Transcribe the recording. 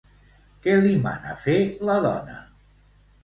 Què li mana fer la dona?